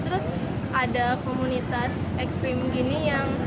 terus ada komunitas ekstrim gini yang